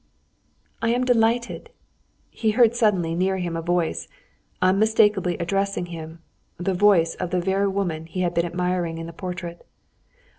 "I am delighted!" He heard suddenly near him a voice, unmistakably addressing him, the voice of the very woman he had been admiring in the portrait.